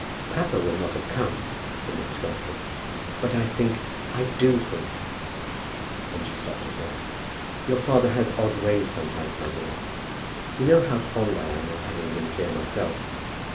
"Papa would not have come," said Mrs. Grantly, "but I think, I do think " Then she stopped herself. "Your father has odd ways sometimes, my dear. You know how fond I am of having him here myself."